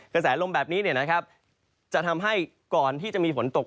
กระแสลมแบบนี้จะทำให้ก่อนที่จะมีฝนตก